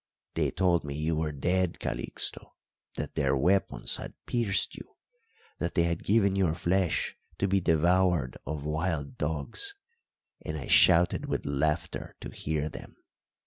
They told me you were dead, Calixto that their weapons had pierced you, that they had given your flesh to be devoured of wild dogs. And I shouted with laughter to hear them.